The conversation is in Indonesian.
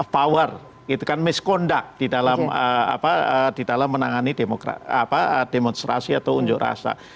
power misconduct di dalam menangani demonstrasi atau unjuk rasa